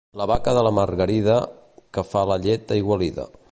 La vaca de la Margarida, que fa la llet aigualida.